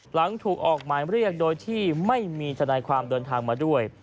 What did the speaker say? หลังถูกออกหมายเรียกโดยที่ไม่มีทนายความเดินทางมาด้วย